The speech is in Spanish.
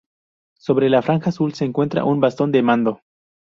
Sobre la franja azul se encuentra un bastón de mando.